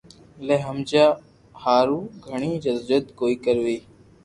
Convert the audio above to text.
ني ھمجيا ھارون گڙي جدو جھد ڪوئي ڪروي